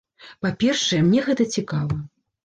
Па-першае, мне гэта цікава.